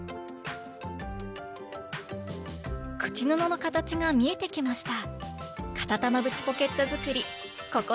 口布の形が見えてきました！